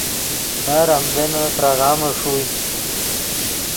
نر آمدنّے فراغامے ݰوئے